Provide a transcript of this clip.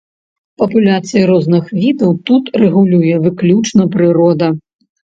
Папуляцыі розных відаў тут рэгулюе выключна прырода.